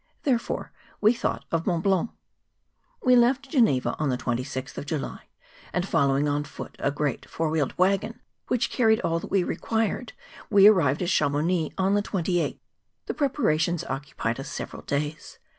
Therefore we thought of Mont Blanc. We left Greneva on the 26th of July, and follow¬ ing on foot a great four wheeled waggon which carried all that we required, we arrived at Cha mounix on the 28th. The preparations occupied us several days.